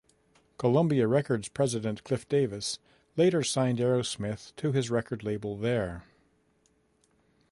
Columbia Records president Clive Davis later signed Aerosmith to his record label there.